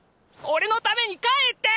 おれのために帰って！